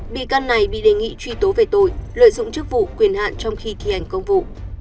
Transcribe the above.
bị can này bị đề nghị truy tố về tội lợi dụng chức vụ quyền hạn trong khi thi hành công vụ